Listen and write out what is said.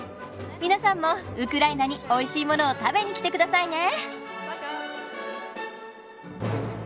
皆さんもウクライナにおいしいものを食べに来てくださいね。